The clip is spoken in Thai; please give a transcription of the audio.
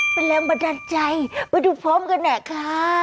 เป็นแรงบันดาลใจไปดูพร้อมกันหน่อยค่ะ